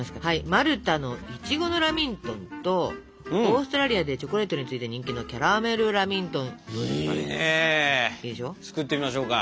マルタのいちごのラミントンとオーストラリアでチョコレートに次いで人気のキャラメルラミントンはどうですか？